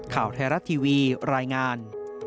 ข่าวไทยรัฐทีวีรายงาน